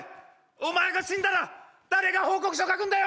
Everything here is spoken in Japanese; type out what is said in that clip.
お前が死んだら誰が報告書書くんだよ！